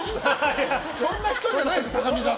そんな人じゃないですよ高見澤さんは。